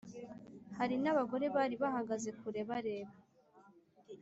Hari n abagore bari bahagaze kure bareba